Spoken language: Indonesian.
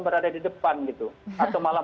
berada di depan gitu atau malah